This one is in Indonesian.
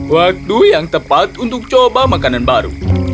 waktu yang tepat untuk coba makanan baru